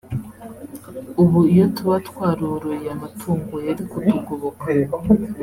ubu iyo tuba twaroroye amatungo yari kutugoboka”